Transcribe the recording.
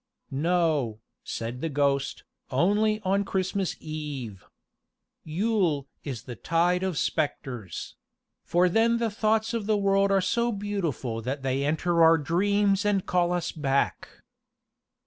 "No," said the ghost, "only on Christmas Eve. Yule is the tide of specters; for then the thoughts of the world are so beautiful that they enter our dreams and call us back."